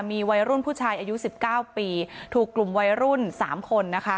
มีวัยรุ่นผู้ชายอายุ๑๙ปีถูกกลุ่มวัยรุ่น๓คนนะคะ